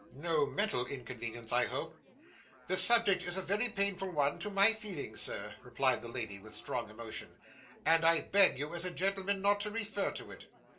'No mental inconvenience, I hope?' 'The subject is a very painful one to my feelings, sir,' replied the lady with strong emotion; 'and I beg you as a gentleman, not to refer to it.